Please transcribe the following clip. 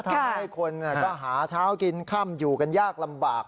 ทำให้คนก็หาเช้ากินค่ำอยู่กันยากลำบาก